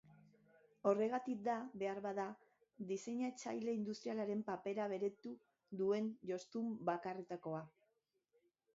Horregatik da, beharbada, diseinatzaile industrialaren papera beretu duen jostun bakarretakoa.